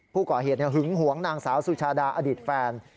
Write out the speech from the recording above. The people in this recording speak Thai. ผู้ก่อเหตุหึงหวงนางสาวสุชาดาอดีตแฟน